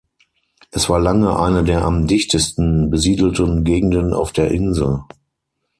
Es war lange eine der am dichtesten besiedelten Gegenden auf der Insel.